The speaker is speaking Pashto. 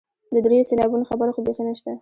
د دریو سېلابونو خبره خو بیخي نشته.